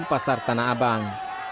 pasar tanah abang